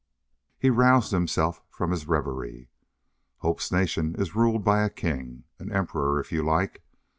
He roused himself from his reverie. "Hope's nation is ruled by a king. An emperor, if you like.